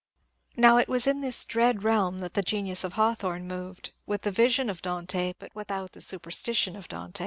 Now, it was in this dread realm that the genius of Hawthorne moved, with the vision of Dante, but without the superstition of Dante.